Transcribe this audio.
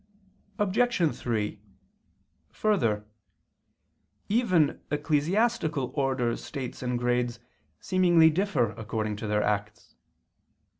Obj. 3: Further, even ecclesiastical orders, states, and grades seemingly differ according to their acts.